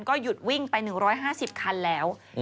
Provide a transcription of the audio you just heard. ก็หยุดวิ่งไป๑๕๐คันแล้ว